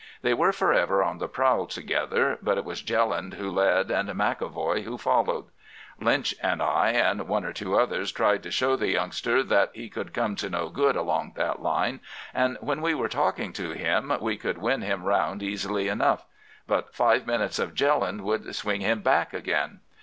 They were for ever on the prowl together, but it was Jelland who led and McEvoy who followed. Lynch and I and one or two others tried to show the youngster that he could come to no good along that line, and when we were talking to him we could win him round easily enough, but five minutes of Jelland would swing him back again.